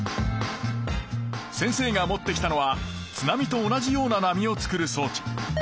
先生が持ってきたのは津波と同じような波を作るそう置。